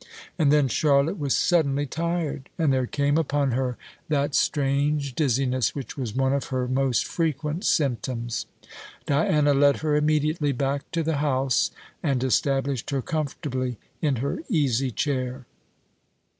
And then Charlotte was suddenly tired, and there came upon her that strange dizziness which was one of her most frequent symptoms. Diana led her immediately back to the house, and established her comfortably in her easy chair.